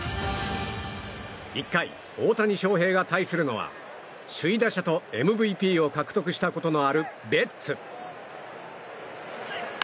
１回、大谷翔平が対するのは首位打者とＭＶＰを獲得したことのあるベッツ。